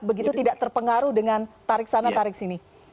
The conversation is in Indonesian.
begitu tidak terpengaruh dengan tarik sana tarik sini